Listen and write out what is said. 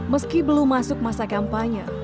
meski belum masuk masa kampanye